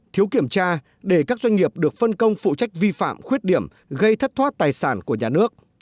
thiếu kiểm tra để các doanh nghiệp được phân công phụ trách vi phạm khuyết điểm gây thất thoát tài sản của nhà nước